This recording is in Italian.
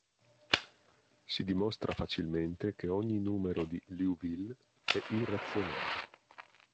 Si dimostra facilmente che ogni numero di Liouville è irrazionale.